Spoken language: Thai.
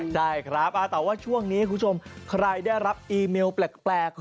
ใช่ครับแต่ว่าช่วงนี้คุณผู้ชมใครได้รับอีเมลแปลก